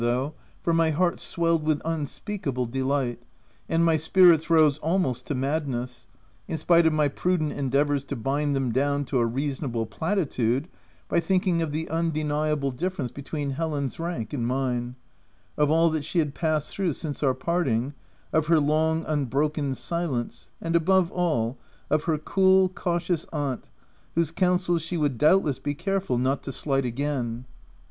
305 — though, for my heart swelled with unspeakable delight, and my spirits rose almost to madness — in spite of my prudent endeavours to bind them down to a reasonable platitude by think ing of the undeniable difference between Helen's rank and mine ; of all that she had passed through since our parting ; of her long, un broken silence ; and, above all, of her cool, cautious aunt, whose counsels she would doubt less be careful not to slight again.